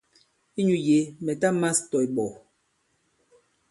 Inyū yě mɛ̀ ta mās tɔ̀ ìɓɔ̀.